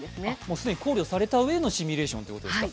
既に考慮されたうえのシミュレーションということですね。